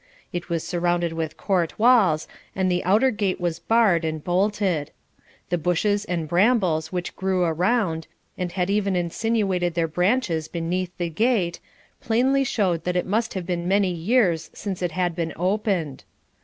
It was surrounded with court walls, and the outer gate was barred and bolted. The bushes and brambles which grew around, and had even insinuated their branches beneath the gate, plainly showed that it must have been many years since it had been opened.